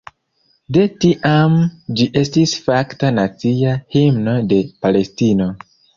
De tiam ĝi estis fakta nacia himno de Palestino.